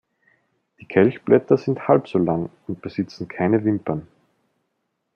Die Kelchblätter sind halb so lang und besitzen keine Wimpern.